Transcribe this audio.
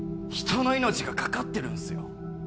人の命がかかってるんすよ